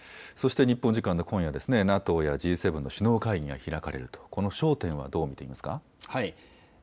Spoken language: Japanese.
そして日本時間の今夜、ＮＡＴＯやＧ７の首脳会議が開かれる、この焦点はどう見ていますか。